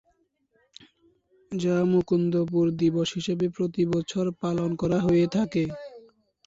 যা মুকুন্দপুর দিবস হিসেবে প্রতি বছর পালন করা হয়ে থাকে।